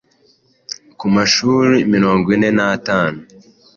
ku mashuri mirongo ine n’atanu